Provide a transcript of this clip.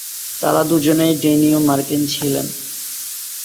তার দুজনেই ডেনীয়-মার্কিন ছিলেন।